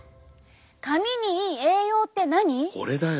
髪にいい栄養って何？